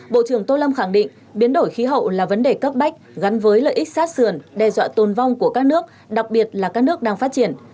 bộ trưởng tô lâm khẳng định biến đổi khí hậu là vấn đề cấp bách gắn với lợi ích sát sườn đe dọa tồn vong của các nước đặc biệt là các nước đang phát triển